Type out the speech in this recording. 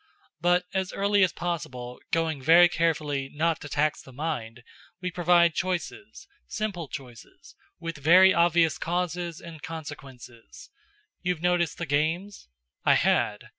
But as early as possible, going very carefully, not to tax the mind, we provide choices, simple choices, with very obvious causes and consequences. You've noticed the games?" I had.